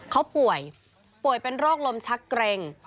เขาป่วยป่วยเป็นโรคลมชักเกร็ง